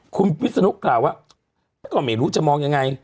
คุณวิศนุกล่าวว่าก็ไม่รู้จะมองยังไง